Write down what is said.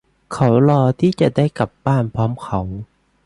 เขารอที่จะได้กลับบ้านพร้อมเขา